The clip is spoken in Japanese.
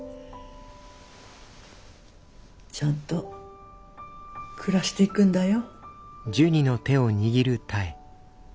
ちゃんと暮らしていくんだよ。